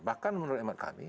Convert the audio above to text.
bahkan menurut emak kami